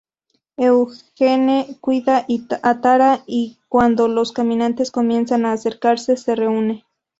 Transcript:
Eugene cuida a Tara y, cuando los caminantes comienzan a acercarse, se reúne.